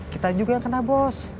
kita juga yang kena bos